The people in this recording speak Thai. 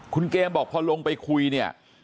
คุณเกมบอกพอลงไปคุยเนี่ย